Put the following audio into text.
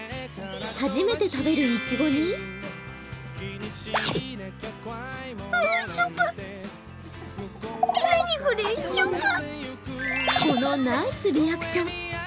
初めて食べるいちごにこのナイスリアクション。